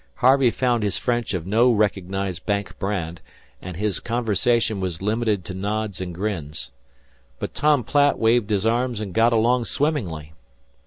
Harvey found his French of no recognized Bank brand, and his conversation was limited to nods and grins. But Tom Platt waved his arms and got along swimmingly.